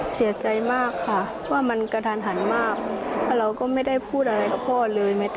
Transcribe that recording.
เหาะจากความเสียหัวหน้าครอบครัวไปแล้ว